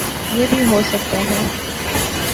یہ بھی ہوسکتا ہے